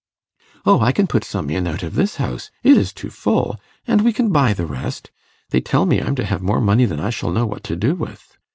'O, I can put some in out of this house; it is too full; and we can buy the rest. They tell me I'm to have more money than I shall know what to do with.